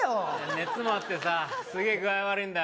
熱もあってさすげえ具合悪いんだ